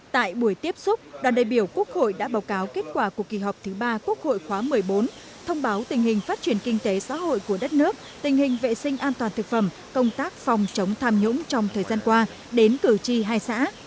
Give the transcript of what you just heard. tại buổi tiếp xúc đoàn đại biểu quốc hội đã báo cáo kết quả của kỳ họp thứ ba quốc hội khóa một mươi bốn thông báo tình hình phát triển kinh tế xã hội của đất nước tình hình vệ sinh an toàn thực phẩm công tác phòng chống tham nhũng trong thời gian qua đến cử tri hai xã